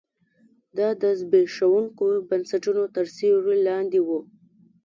دا د زبېښونکو بنسټونو تر سیوري لاندې و.